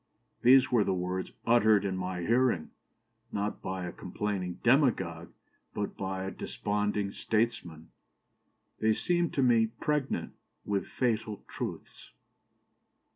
These were the words uttered in my hearing, not by a complaining demagogue, but by a desponding statesman. They seemed to me pregnant with fatal truths.